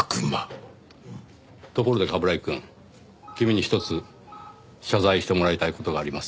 ところで冠城くん君にひとつ謝罪してもらいたい事があります。